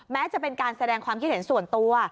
แม้จะเป็นการแสดงความคิดเห็นส่วนตัว